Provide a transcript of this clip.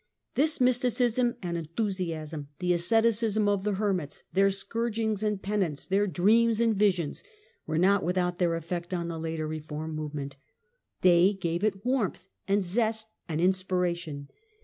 This mysticism and enthusiasm, the asceticism of the hermits, their scourgings and penance, their dreams and visions, were not without their effect on the later reform movement. They gave it warmth, and zest, and inspiration.